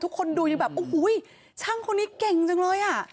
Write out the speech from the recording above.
คนดูยังแบบโอ้โหช่างคนนี้เก่งจังเลยอ่ะ